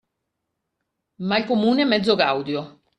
Mal comune, mezzo gaudio.